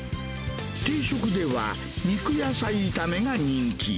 定食では、肉野菜炒めが人気。